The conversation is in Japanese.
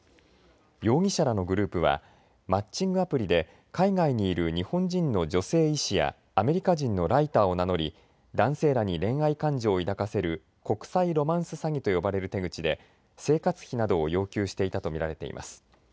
容疑者らのグループはマッチングアプリで海外にいる日本人の女性医師やアメリカ人のライターを名乗り男性らに恋愛感情を抱かせる国際ロマンス詐欺と呼ばれる手口で生活費などを要求していたと見られています。